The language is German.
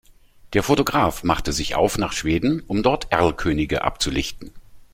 Der Fotograf machte sich auf nach Schweden, um dort Erlkönige abzulichten.